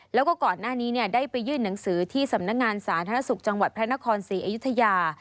แล้วก็ก่อนหน้านี้ได้ไปยื่นหนังสือที่สำนักงานสาธารณสุขจังหวัดพระนครศรีอยุธยา